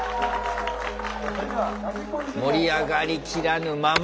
盛り上がりきらぬまま。